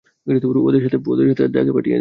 ওদের সাথে তাকে পাঠিয়ে দে!